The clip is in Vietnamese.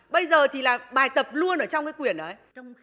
bây giờ thì là bài tập luôn ở trong cái quyển đấy